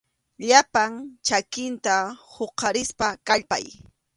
Llapan chakinta huqarispa kallpay.